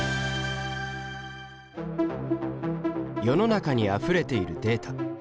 世の中にあふれているデータ。